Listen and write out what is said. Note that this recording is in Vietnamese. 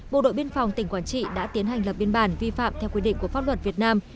bộ đội biên phòng tỉnh quảng trị đã tiến hành lập biên bản vi phạm theo quy định của pháp luật việt nam